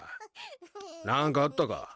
何かあったか？